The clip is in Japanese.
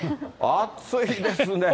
暑いですね。